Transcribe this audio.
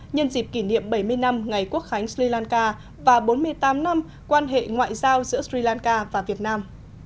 nhân dịp kỷ niệm bảy mươi năm ngày quốc khánh sri lanka và bốn mươi tám năm quan hệ ngoại giao giữa sri lanka và việt nam